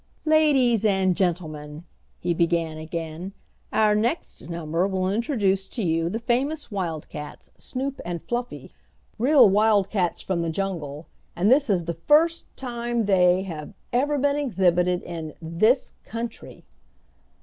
"Ladies and gentlemen," he began again, "our next number will introduce to you the famous wildcats, Snoop and Fluffy. Real wildcats from the jungle, and this is the first time they have ever been exhibited in this country!"